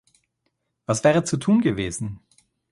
Was wäre zu tun gewesen?